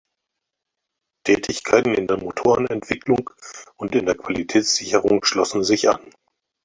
Tätigkeiten in der Motorenentwicklung und in der Qualitätssicherung schlossen sich an.